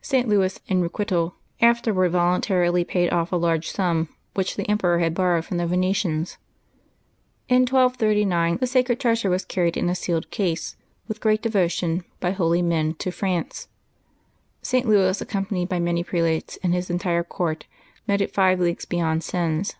St. Louis, in re quital, afterward voluntarily paid off a large sum which the emperor had borrowed from the Venetians. In 1239 the sacred treasure was carried in a sealed case, with great devotion, by holy men, to France. St. Louis, accom panied by many prelates and his entire court, met it five leagues beyond Sens.